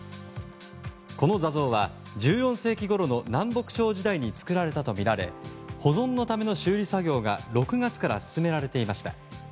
この座像は１４世紀ごろの南北朝時代に作られたとみられ保存のための修理作業が６月から進められていました。